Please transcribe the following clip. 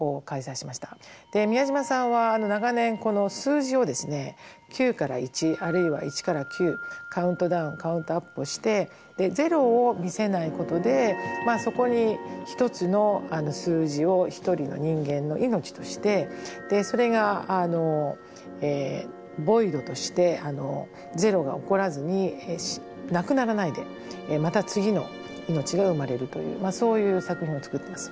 宮島さんは長年この数字をですね９から１あるいは１から９カウントダウンカウントアップをして０を見せないことでそこに一つの数字を一人の人間の命としてそれがＶＯＩＤとして０が起こらずになくならないでまた次の命が生まれるというそういう作品を作ってます。